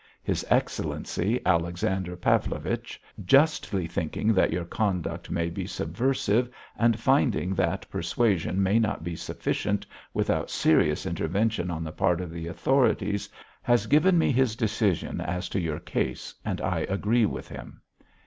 His Excellency Alexander Pavlovich, justly thinking that your conduct may be subversive, and finding that persuasion may not be sufficient, without serious intervention on the part of the authorities, has given me his decision as to your case, and I agree with him.'"